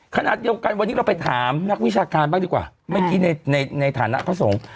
ขณะเดียวกันวันนี้เราไปถามนักวิชาการบ้างดีกว่าเมื่อกี้ในในฐานะพระสงฆ์